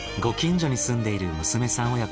ご近所に住んでいる娘さん